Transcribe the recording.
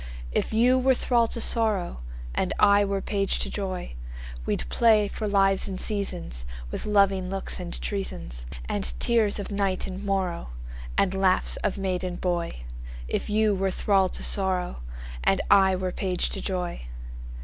If you were thrall to sorrow, And I were page to joy, We'd play for lives and seasonsWith loving looks and treasonsAnd tears of night and morrowAnd laughs of maid and boy; If you were thrall to sorrow, And I were page to joy.